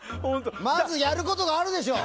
まず、やることがあるでしょ！